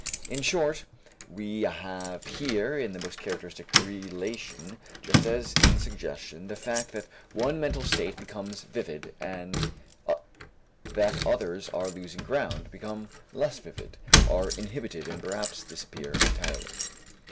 In short, we have here as the most characteristic relation, just as in suggestion, the fact that one mental state becomes vivid, and that others are losing ground, become less vivid, are inhibited and perhaps disappear entirely.